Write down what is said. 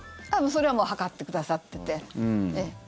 それは測ってくださってて。